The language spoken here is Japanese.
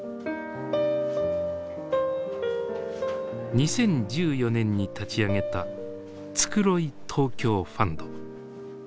２０１４年に立ち上げた「つくろい東京ファンド」。